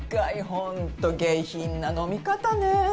ほんと下品な飲み方ね。